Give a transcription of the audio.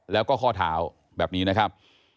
แล้วก็ข้อเท้าแบบนี้นะครับ